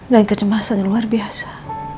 dan kecemasan yang luar biasa